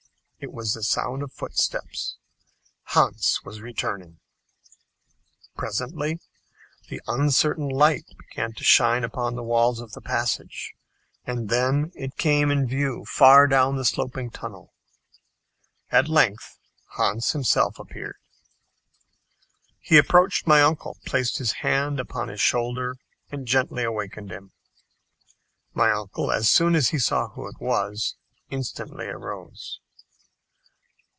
It was the sound of footsteps! Hans was returning. Presently the uncertain light began to shine upon the walls of the passage, and then it came in view far down the sloping tunnel. At length Hans himself appeared. He approached my uncle, placed his hand upon his shoulder, and gently awakened him. My uncle, as soon as he saw who it was, instantly arose.